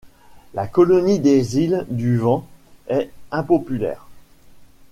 La colonie des îles-du-vent est impopulaire.